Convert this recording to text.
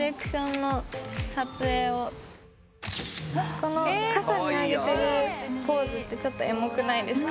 この傘見上げてるポーズってちょっとエモくないですか？